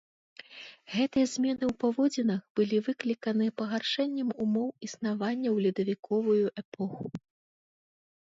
Гэтыя змены ў паводзінах былі выкліканы пагаршэннем умоў існавання ў ледавіковую эпоху.